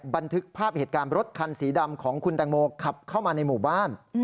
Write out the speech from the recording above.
บันทึกภาพเหตุการณ์รถคันสีดำของคุณแตงโมขับเข้ามาในหมู่บ้าน